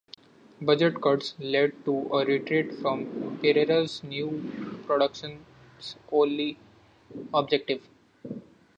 Budget cuts led to a retreat from Pereira's "new productions only" objective.